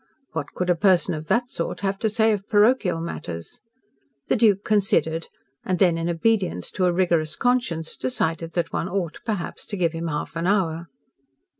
What could a person of that sort have to say of parochial matters? The Duke considered, and then, in obedience to a rigorous conscience, decided that one ought, perhaps, to give him half an hour.